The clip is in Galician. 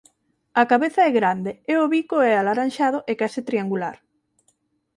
A cabeza é grande e o bico é alaranxado e case triangular.